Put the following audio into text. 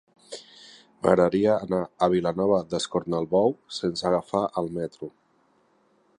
M'agradaria anar a Vilanova d'Escornalbou sense agafar el metro.